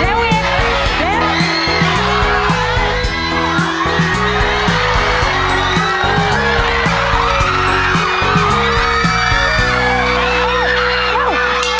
เร็วเร็วดิ